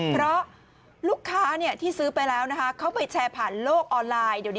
เพราะลูกค้าที่ซื้อไปแล้วนะคะเขาไปแชร์ผ่านโลกออนไลน์